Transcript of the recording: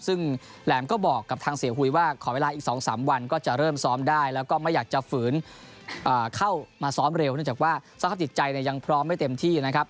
ซึ่งแหลมก็บอกกับทางเสียหุยว่าขอเวลาอีก๒๓วันก็จะเริ่มซ้อมได้แล้วก็ไม่อยากจะฝืนเข้ามาซ้อมเร็วเนื่องจากว่าสภาพจิตใจยังพร้อมไม่เต็มที่นะครับ